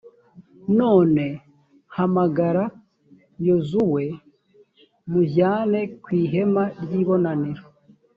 none hamagara yozuwe, mujyane ku ihema ry’ibonaniro,